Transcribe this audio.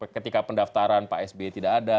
ketika pendaftaran pak sby tidak ada